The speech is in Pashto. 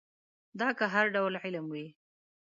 دا که هر ډول علم وي.